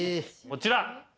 こちら。